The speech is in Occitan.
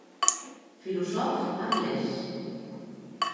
Filosòf anglés.